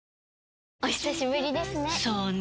お久しぶりですね。